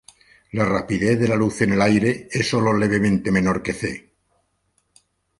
La rapidez de la luz en el aire es solo levemente menor que "c".